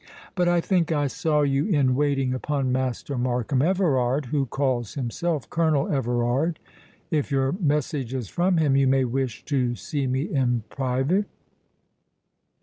—But I think I saw you in waiting upon Master Markham Everard, who calls himself Colonel Everard.—If your message is from him, you may wish to see me in private?"